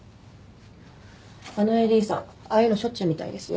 あのＡＤさんああいうのしょっちゅうみたいですよ。